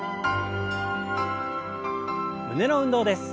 胸の運動です。